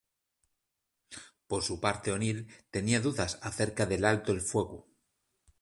Por su parte O'Neill tenía dudas acerca del alto el fuego.